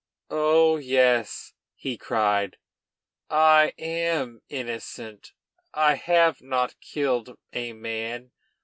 "Oh, yes!" he cried, "I am innocent! I have not killed a man!